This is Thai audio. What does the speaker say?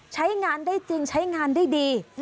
ใช้งานได้จริงใช้งานได้ดี